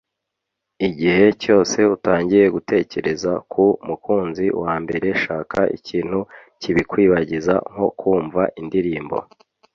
Igihe cyose utangiye gutekereza ku mukunzi wa mbere shaka ikintu kibikwibagiza nko kumva indirimbo